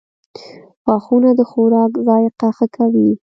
• غاښونه د خوراک ذایقه ښه کوي.